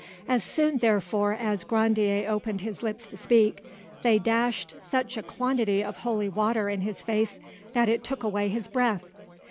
As soon, therefore, as Grandier opened his lips to speak, they dashed such a quantity of holy water in his face that it took away his breath.